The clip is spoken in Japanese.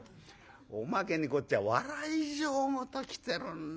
おまけにこっちは笑い上戸ときてるんだよ。